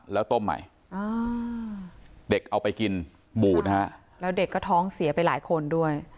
แล้วต้มใหม่เด็กเอาไปกินบูดนะฮะแล้วเด็กก็ท้องเสียไปหลายคนด้วย